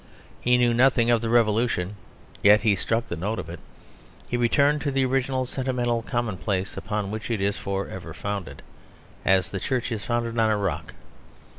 He knew nothing of the Revolution; yet he struck the note of it. He returned to the original sentimental commonplace upon which it is forever founded, as the Church is founded on a rock.